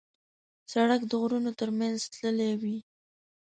سړک د غرونو تر منځ تللی وي.